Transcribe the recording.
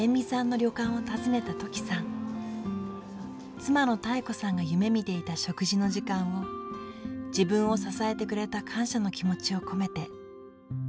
妻の妙子さんが夢みていた食事の時間を自分を支えてくれた感謝の気持ちを込めてプレゼントしたいと思ったのです。